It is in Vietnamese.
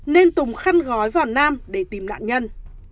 nên tùng khăn gói vào nam để tìm nạn nhân